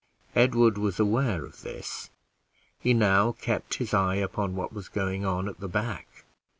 Edward was aware of this; he now kept his eye upon what was going on at the back.